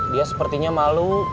dia sepertinya malu